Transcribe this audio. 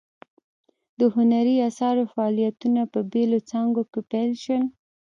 د هنري اثارو فعالیتونه په بیلو څانګو کې پیل شول.